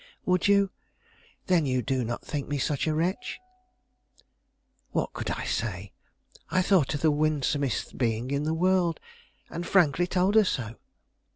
"Would you? Then you do not think me such a wretch?" What could I say? I thought her the winsomest being in the world, and frankly told her so.